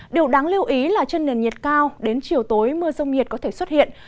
điều đáng lưu ý là trên nền nhiệt cao đến chiều tối mưa rông nhiệt có thể xuất hiện